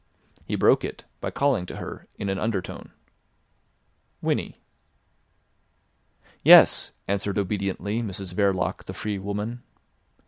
He broke it by calling to her in an undertone. "Winnie." "Yes," answered obediently Mrs Verloc the free woman.